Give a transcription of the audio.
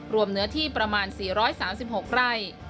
เนื้อที่ประมาณ๔๓๖ไร่